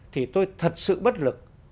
thì tôi thật sự bất lực